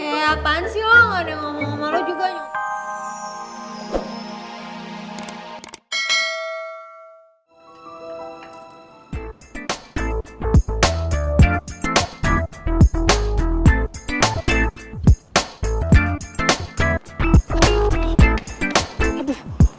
ya apaan sih lu ga ada yang ngomong sama lu juga